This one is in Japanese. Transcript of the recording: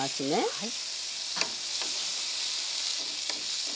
はい。